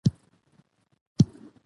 پراخه سینه او زغم د لویو خلکو ځانګړنه وي.